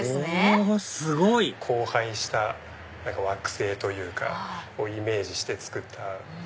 おすごい！荒廃した惑星というかイメージして作った。